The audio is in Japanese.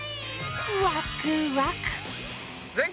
わくわく。